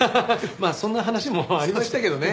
まあそんな話もありましたけどね。